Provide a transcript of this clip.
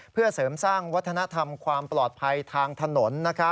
เพื่อเสริมสร้างวัฒนธรรมความปลอดภัยทางถนน